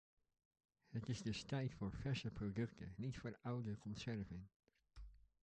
Het is dus tijd voor verse producten, niet voor oude conserven.